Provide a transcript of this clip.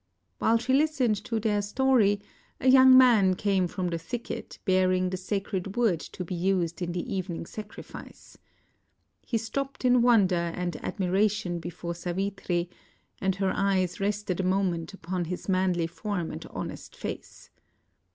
While she listened to their story a yoimg man came from the thicket bearing the sacred wood to be used in the even ing sacrifice. He stopped in wonder and admiration before Savitri, and her eyes rested a moment upon his manly form and honest face.